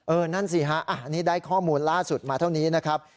นั่นสิฮะนี่ได้ข้อมูลล่าสุดมาเท่านี้นะครับ